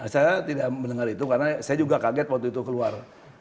saya tidak mendengar itu karena saya juga kaget waktu itu keluar